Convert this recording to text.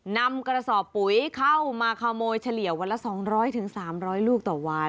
นำกระสอบปุ๋ยเข้ามาขโมยเฉลี่ยวันละ๒๐๐๓๐๐ลูกต่อวัน